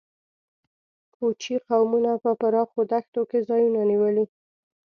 کوچي قومونو په پراخو دښتونو کې ځایونه نیولي.